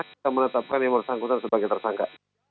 kita menetapkan yang bersangkutan sebagai tersangka